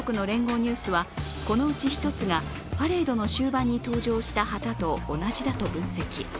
ニュースは、このうち１つがパレードの終盤に登場した旗と同じだと分析。